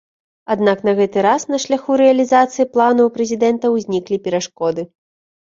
Аднак на гэты раз на шляху рэалізацыі плану ў прэзідэнта ўзніклі перашкоды.